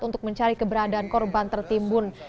untuk mencari keberadaan korban tertimbun